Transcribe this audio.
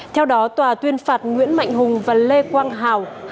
theo đó tòa tuyên phạt nguyễn mạnh hùng và lê quang hào